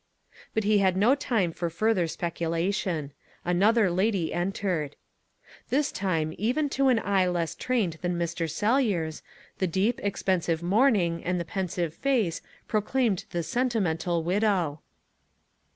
But he had no time for further speculation. Another lady entered. This time even to an eye less trained than Mr. Sellyer's, the deep, expensive mourning and the pensive face proclaimed the sentimental widow.